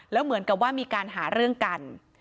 แล้วเหมือนกับว่ามีการหาเรื่องกัน